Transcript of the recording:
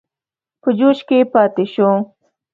په جوش کې پاته شو.